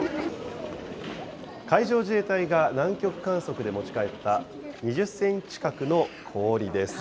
海上自衛隊が南極観測で持ち帰った２０センチ角の氷です。